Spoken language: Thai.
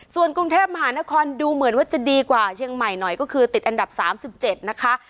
ส่วนกรุงเทพมหานครดูเหมือนว่าจะดีกว่าเชียงใหม่หน่อยก็คือติดอันดับ๓๗นะคะ